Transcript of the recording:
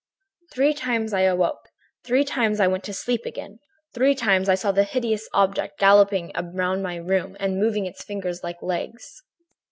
Three times I awoke, three times I went to sleep again; three times I saw the hideous object galloping round my room and moving its fingers like legs.